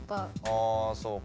あそうか。